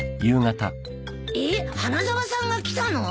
えっ花沢さんが来たの？